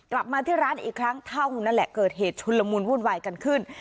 กลับมาที่ร้านอีกครั้งเท่านั้นแหละเกิดเหตุชุนละมุนวุ่นวายกันขึ้น